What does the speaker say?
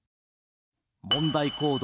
問題行動